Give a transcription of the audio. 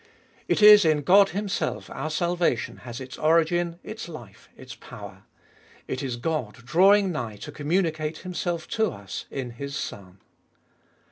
It is in God Himself our salvation has its origin, its life, its power. It is God drawing nigh to communi cate Himself to us in His Son.